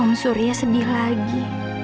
om surya sedih lagi